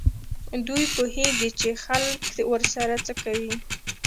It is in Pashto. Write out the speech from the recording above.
دوی پوهېږي چې خلک ورسره څه کوي.